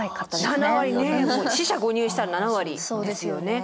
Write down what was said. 四捨五入したら７割ですよね。